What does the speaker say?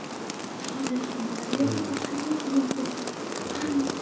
そうですねありがとうございますほんとにはい。